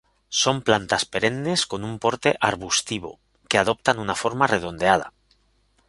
Son plantas perennes con un porte arbustivo, que adoptan una forma redondeada.